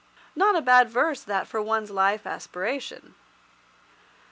Not a bad verse that for one's life aspiration.